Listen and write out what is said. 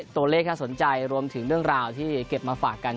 ตัวเลขน่าสนใจรวมถึงเรื่องราวที่เก็บมาฝากกัน